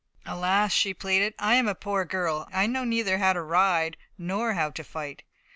"Alas!" she pleaded, "I am a poor girl; I know neither how to ride nor how to fight."